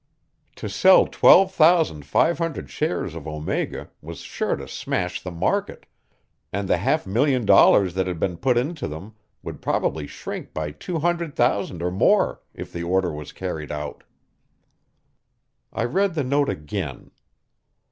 To sell twelve thousand five hundred shares of Omega was sure to smash the market, and the half million dollars that had been put into them would probably shrink by two hundred thousand or more if the order was carried out. I read the note again.